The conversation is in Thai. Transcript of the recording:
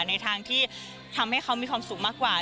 ในทางที่ทำให้เขามีความสุขมากกว่า